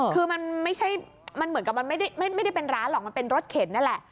คือมันไม่ได้เป็นร้านหรอกมันเป็นรถเข็นนั่นแหละ